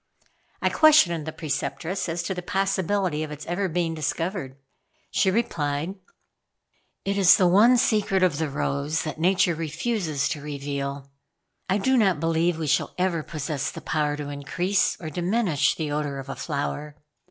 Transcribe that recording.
I questioned the Preceptress as to the possibility of its ever being discovered? She replied: "It is the one secret of the rose that Nature refuses to reveal. I do not believe we shall ever possess the power to increase or diminish the odor of a flower.